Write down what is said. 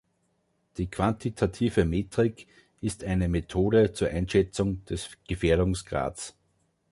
Die quantitative Metrik ist eine Methode zur Einschätzung des Gefährdungsgrads.